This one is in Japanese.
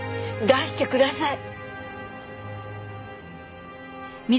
出してください！